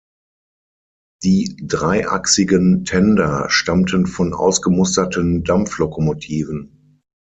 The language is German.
Die dreiachsigen Tender stammten von ausgemusterten Dampflokomotiven.